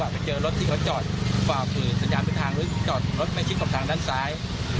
เพราะว่าคือเป็นการจอดที่อันตราย